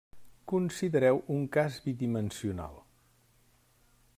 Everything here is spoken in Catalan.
Considereu un cas bidimensional.